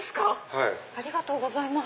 ありがとうございます。